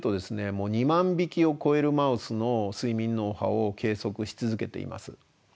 もう２万匹を超えるマウスの睡眠脳波を計測し続けています。